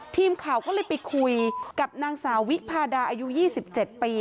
ทีมข่าวก็เลยไปคุยกับนางสาววิพาดาอายุ๒๗ปี